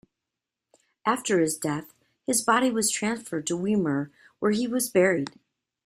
After his death his body was transferred to Weimar where he was buried.